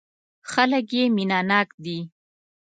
خلک یې مینه ناک دي.